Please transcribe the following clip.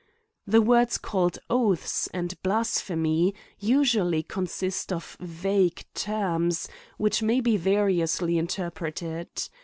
175 The words called oaths and blasphemy, usually consist of vague terms, which may be variously interpreted.